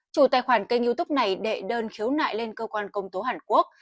chủ tài khoản kênh youtube này đệ đơn khiếu nại lên cơ quan công tố hàn quốc